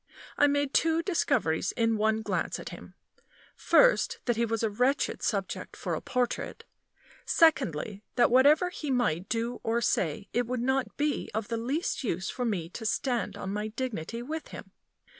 I made two discoveries in one glance at him: First, that he was a wretched subject for a portrait; secondly, that, whatever he might do or say, it would not be of the least use for me to stand on my dignity with him.